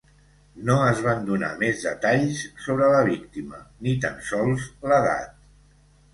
No es van donar més detalls sobre la víctima, ni tan sols l’edat.